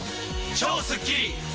超スッキリ‼